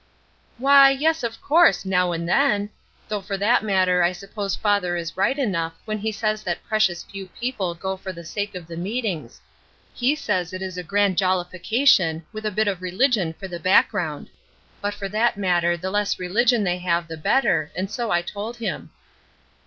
"Why, yes, of course, now and then. Though for that matter I suppose father is right enough when he says that precious few people go for the sake of the meetings. He says it is a grand jollification, with a bit of religion for the background. But for that matter the less religion they have the better, and so I told him."